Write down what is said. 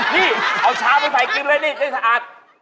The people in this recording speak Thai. นี่เอาช้ามาใส่กินเลยแน่สะอาด